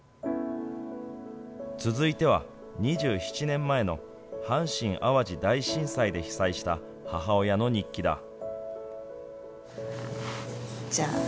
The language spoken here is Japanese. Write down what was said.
続いては、２７年前の阪神・淡路大震災で被災した母親の日記だ。